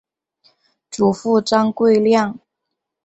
祖父张贵谅。